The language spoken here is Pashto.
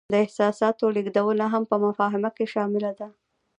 د احساساتو لیږدونه هم په مفاهمه کې شامله ده.